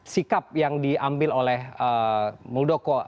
sikap yang diambil oleh muldoko